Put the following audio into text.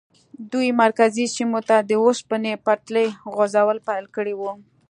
دوی مرکزي سیمو ته د اوسپنې پټلۍ غځول پیل کړي وو.